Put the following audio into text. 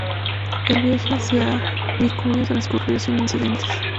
El viaje hacia Vicuña transcurrió sin incidentes.